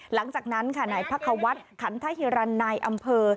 หลังจากนั้นค่ะนายพระควัติขันทะเฮียรันในอำเภอ